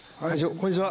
こんにちは。